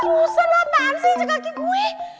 busen apaan sih ngejek kaki gue